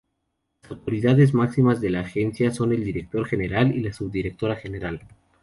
Las autoridades máximas de la Agencia son el director general y la subdirectora general.